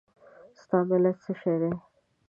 ستا ملت څه شی دی؟